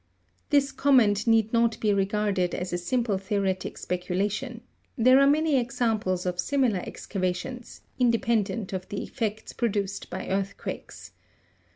This comment need not be regarded as a simple theoretic speculation ; there are many examples of similar excavations, independent of the effects produced by earthquakes.